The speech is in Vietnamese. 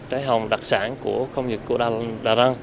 trái hồng đặc sản không chỉ của đà răng